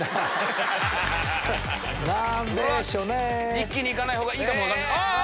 一気に行かないほうがいいかも分かんない。